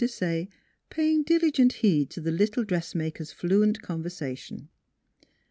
Desaye paying dili gent heed to the little dressmaker's fluent conver sation.